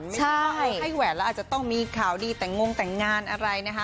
เวลาให้แหวนอาจจะจงมีข่าวดีแต่ลงแต่งานอะไรนะคะ